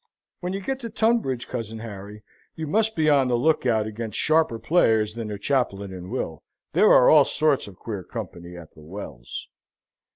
"When you get to Tunbridge, cousin Harry, you must be on the look out against sharper players than the chaplain and Will. There is all sorts of queer company at the Wells."